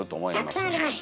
たくさんあります！